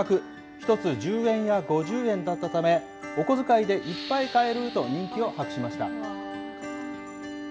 １つ１０円や５０円だったため、お小遣いでいっぱい買えると人気を博しました。